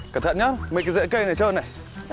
cẩn thận nhé mấy cái dệ cây này trơn này